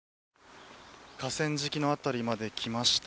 河川敷の辺りまで来ました。